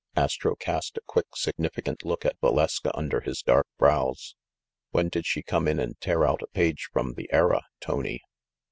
Astro cast a quick significant look at Valeska under his dark brows. "When did she come in and tear out a page from The Era, Tony